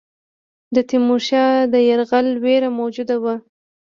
د تیمورشاه د یرغل وېره موجوده وه.